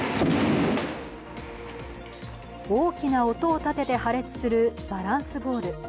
大きな音を立てて破裂するバランスボール。